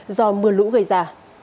do mưa lũ gây ra